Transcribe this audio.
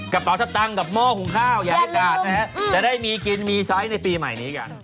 กระเป๋าชะตังกับโม่ขุมข้าวอย่าลืมจะได้มีกินมีไซส์ในปีใหม่นี้กัน